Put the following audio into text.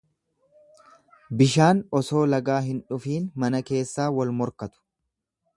Bishaan osoo lagaa hin dhufiin mana keessaa wal morkatu.